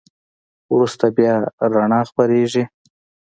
وروسته بیا رڼا خپرېږي.